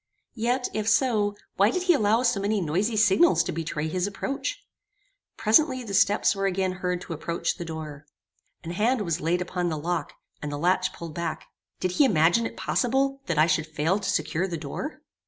Yet, if so, why did he allow so many noisy signals to betray his approach? Presently the steps were again heard to approach the door. An hand was laid upon the lock, and the latch pulled back. Did he imagine it possible that I should fail to secure the door?